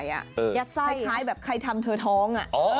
ยัดไส้แบบใครทำเธอท้อง